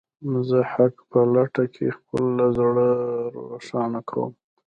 زه د حق په لټه کې خپل زړه روښانه کوم.